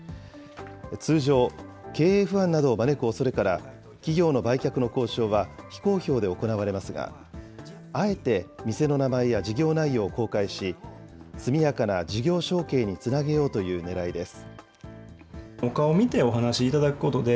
通常、経営不安などを招くおそれから、企業の売却の交渉は、非公表で行われますが、あえて店の名前や事業内容を公開し、速やかな事業承継につなげようというねらいです。